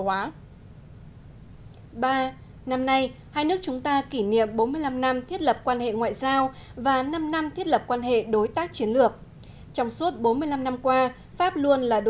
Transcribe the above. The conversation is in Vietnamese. hai nước chúng ta có thể cùng nhau làm nên nhiều việc lớn